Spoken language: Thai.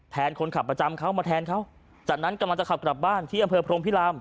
คนขับประจำเขามาแทนเขาจากนั้นกำลังจะขับกลับบ้านที่อำเภอพรมพิราม